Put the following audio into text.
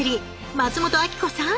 松本明子さん